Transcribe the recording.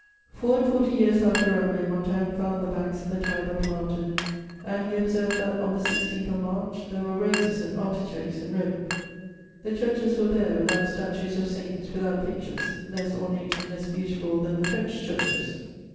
] Four and forty years after Rabelais, Montaigne found the banks of the Tiber planted, and he observed that, on the 16th of March, there were roses and artichokes in Rome. The churches were bare, without statues of saints, without pictures, less ornate and less beautiful than the French churches.